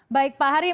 baik pak hari